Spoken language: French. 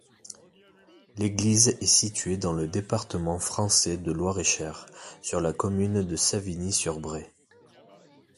L'église est située dans le département français de Loir-et-Cher, sur la commune de Savigny-sur-Braye.